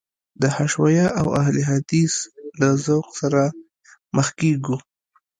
د حشویه او اهل حدیث له ذوق سره مخ کېږو.